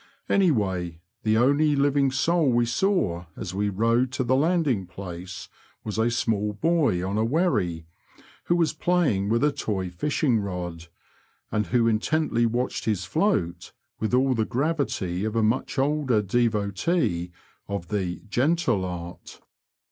Anyway, the only living soul we saw as we rowed to the landing place was a small boy on a wherry, who was playing with a toy fishing rod, and who intently watched his float with all the gravity of a much older devotee of the " gentle art."